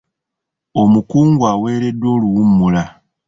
Omukungu aweereddwa oluwummula.